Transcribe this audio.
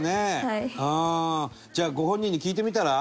じゃあご本人に聞いてみたら？